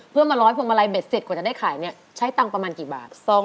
เพื่อมาร้อยพวงมาลัยเบ็ดเสร็จกว่าจะได้ขายเนี่ยใช้ตังค์ประมาณกี่บาท